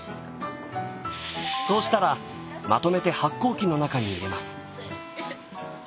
そうしたらまとめて発酵機の中に入れます。